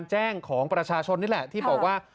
แจ้งของประชาชนนี่แหละที่บอกว่า